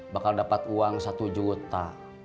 bakal dapat uang satu juta